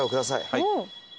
はい。